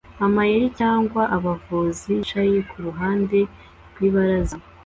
amayeri cyangwa abavuzi bicaye kuruhande rwibaraza